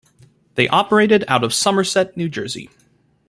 They operated out of Somerset, New Jersey.